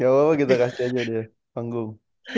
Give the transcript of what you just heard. ya walaupun kita kasih aja deh panggung